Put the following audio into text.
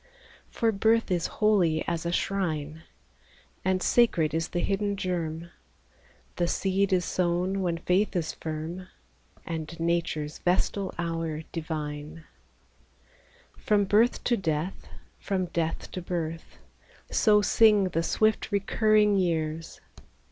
For birth is holy as a shrine, And sacred is the hidden germ ; The seed is sown when faith is firm, And Nature's vestal hour divine. EASTER CAROLS 29 From birth to death, from death to birth : So sing the swift recurring years.